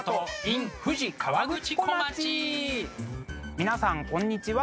皆さん、こんにちは。